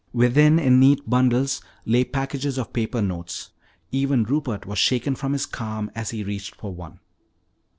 Within, in neat bundles, lay packages of paper notes. Even Rupert was shaken from his calm as he reached for one.